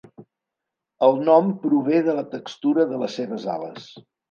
El nom prové de la textura de les seves ales.